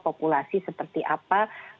populasi seperti apa